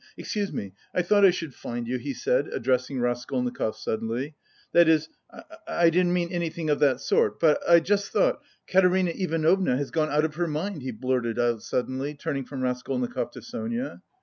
"Excuse me... I thought I should find you," he said, addressing Raskolnikov suddenly, "that is, I didn't mean anything... of that sort... But I just thought... Katerina Ivanovna has gone out of her mind," he blurted out suddenly, turning from Raskolnikov to Sonia.